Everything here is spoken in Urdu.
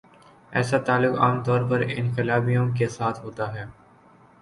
ایسا تعلق عام طور پر انقلابیوں کے ساتھ ہوتا ہے۔